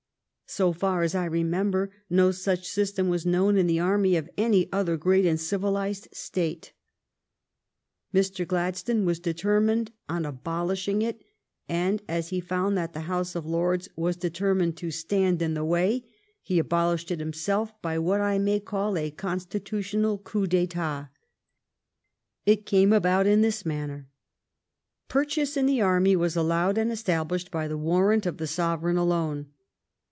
So far as I remember, no such system was know^n in the army of any other great and civilized State. Mr. Gladstone was determined on abolishing it, and as he found that the House of Lords was determined to stand in the way, he abolished it himself by what I may call a constitutional coup d'etat. It came about in this manner. Purchase in the army was allowed and established by the warrant of the sovereign alone.